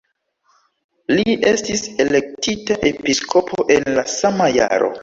Li estis elektita episkopo en la sama jaro.